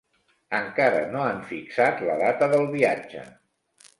Encara no han fixat la data del viatge.